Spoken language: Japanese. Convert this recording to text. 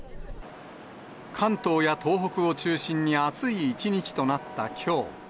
関東や東北を中心に暑い一日となったきょう。